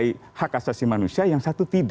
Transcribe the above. itu nasionalisme yang pluralistik